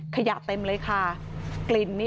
เจ้าของห้องเช่าโพสต์คลิปนี้